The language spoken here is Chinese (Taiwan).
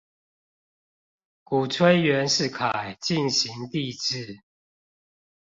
鼓吹袁世凱進行帝制